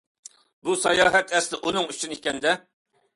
بۇ ساياھەت ئەسلى ئۇنىڭ ئۈچۈن ئىكەندە.